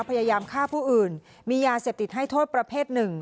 พยายามฆ่าผู้อื่นมียาเสพติดให้โทษประเภทหนึ่ง